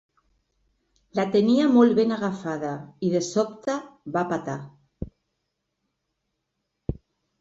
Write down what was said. La tenia molt ben agafada i de sobte va petar.